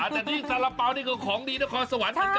อาจจะดีซาระเป่านี่คือของดีนครสวรรค์เหมือนกัน